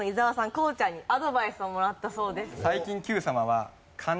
こうちゃんにアドバイスをもらったそうです。